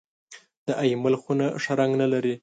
د اېمل خونه ښه رنګ نه لري .